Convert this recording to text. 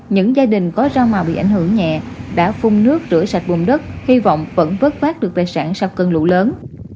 những gia đình có rau màu bị ảnh hưởng nhẹ đã phun nước rửa sạch vùng đất hy vọng vẫn vớt vát được tài sản sau cơn lũ lớn